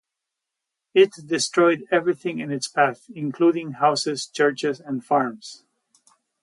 It destroyed everything in its path, including houses, churches, and farms.